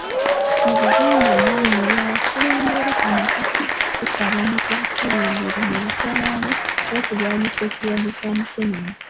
Mu Buganda omwami y'akulembera amaka era tusaba mutukulembere mu lutabaalo olw'okulwanyisa ekirwadde kya Mukenenya..